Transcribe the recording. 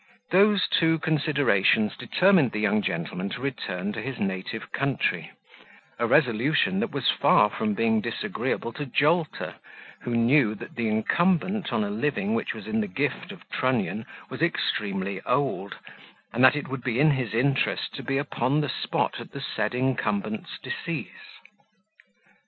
Those two considerations determined the young gentleman to retain to his native country; a resolution that was far from being disagreeable to Jolter, who knew that the incumbent on a living which was in the gift of Trunnion was extremely old, and that it would be his interest to be upon the spot at the said incumbent's decease.